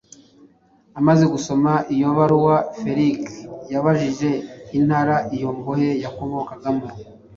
Amaze gusoma iyo baruwa, Feliki yabajije intara iyo mbohe yakomokagamo